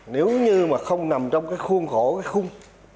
nếu như mà không nằm trong cái khuôn khổ cái khung